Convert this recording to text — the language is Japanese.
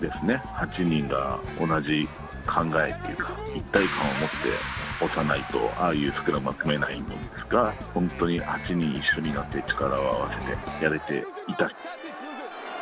８人が同じ考え一体感を持って押さないとああいうスクラムは組めないもんですから本当に８人一緒になって力を合わせて、やれていた。